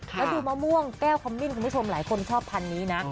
แล้วดูมะม่วงแก้วคำมิ้นคุณผู้ชมหลายคนชอบพันนี้นะ